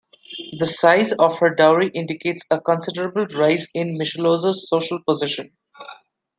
The size of her dowry indicates a considerable rise in Michelozzo's social position.